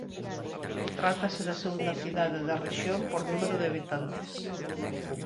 Trátase da segunda cidade da rexión por número de habitantes.